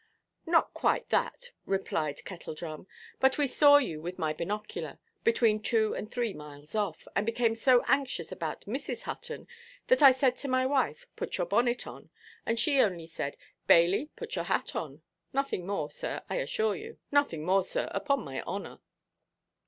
"Not quite that," replied Kettledrum; "but we saw you with my binocular, between two and three miles off, and became so anxious about Mrs. Hutton, that I said to my wife, 'Put your bonnet on;' and she only said, 'Bailey, put your hat on;' nothing more, sir, I assure you; nothing more, sir, upon my honour."